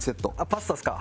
パスタっすか？